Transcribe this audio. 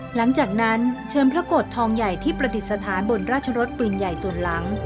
หลังจากนั้นเชิญพระโกรธทองใหญ่ที่ประดิษฐานบนราชรสปืนใหญ่ส่วนหลัง